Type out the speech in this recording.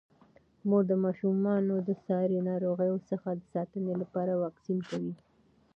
مور د ماشومانو د ساري ناروغیو څخه د ساتنې لپاره واکسین کوي.